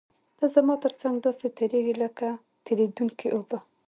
ته زما تر څنګ داسې تېرېږې لکه تېرېدونکې اوبه.